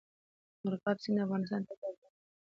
مورغاب سیند د افغانستان د طبیعت برخه ده.